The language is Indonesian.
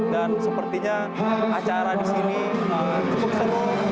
dan sepertinya acara di sini cukup seru karena masih selalu banyak keras di kota